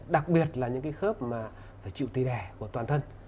đặc biệt là những khớp phải chịu tì đẻ của toàn thân